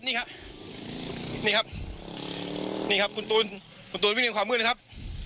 นี่ครับนี่ครับคุณตูนวิ่งในความมืดนะครับ